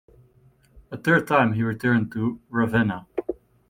A third time he returned to Ravenna.